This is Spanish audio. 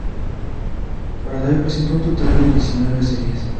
Faraday presentó un total de diecinueve series.